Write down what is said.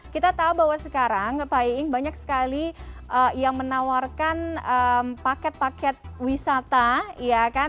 kita tahu bahwa sekarang pak iing banyak sekali yang menawarkan paket paket wisata ya kan